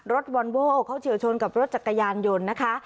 วอนโว้เขาเฉียวชนกับรถจักรยานยนต์นะคะ